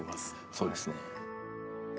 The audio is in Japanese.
そうですね。